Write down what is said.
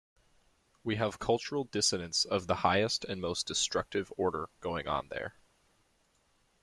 We have cultural dissonance of the highest and most destructive order going on there.